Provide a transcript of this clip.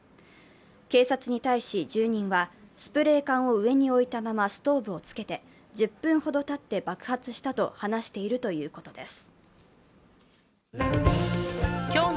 警察に対し住人は、スプレー缶を上に置いたままストーブをつけて１０分ほどたって爆発したと話しているということです。